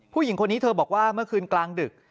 ผู้หญิงคนนี้เธอบอกว่าเมื่อคืนกลางดึก